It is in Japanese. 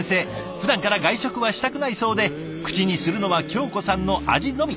ふだんから外食はしたくないそうで口にするのは京子さんの味のみ。